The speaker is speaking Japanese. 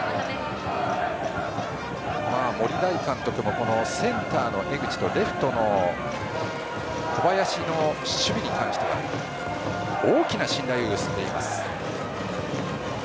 森大監督もセンターの江口とレフトの小林の守備に関しては大きな信頼を寄せています。